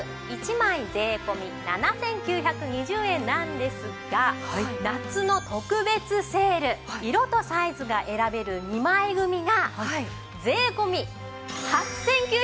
１枚税込７９２０円なんですが夏の特別セール色とサイズが選べる２枚組が税込８９９０円です！